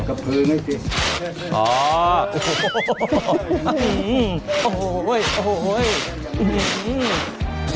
กระพือไงสิ